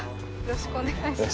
よろしくお願いします。